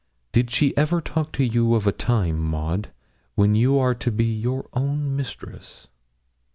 Did she ever talk to you of a time, Maud, when you are to be your own mistress?'